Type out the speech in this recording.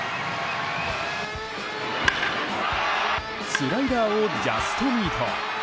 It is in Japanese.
スライダーをジャストミート。